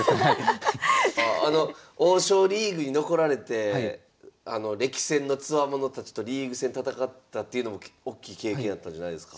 あの王将リーグに残られて力戦のつわものたちとリーグ戦戦ったっていうのもおっきい経験やったんじゃないですか？